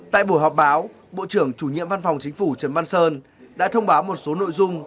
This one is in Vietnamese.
tại buổi họp báo bộ trưởng chủ nhiệm văn phòng chính phủ trần văn sơn đã thông báo một số nội dung